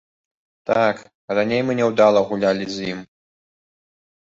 Так, раней мы няўдала гулялі з ім.